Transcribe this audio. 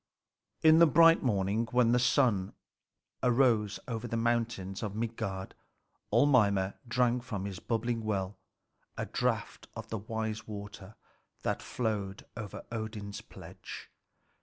In the bright morning, when the sun rose over the mountains of Midgard, old Mimer drank from his bubbly well a draught of the wise water that flowed over Odin's pledge.